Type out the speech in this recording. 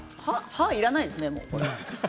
歯がいらないですね、これ。